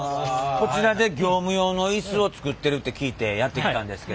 こちらで業務用のイスを作ってるって聞いてやって来たんですけど。